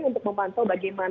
untuk memantau bagaimana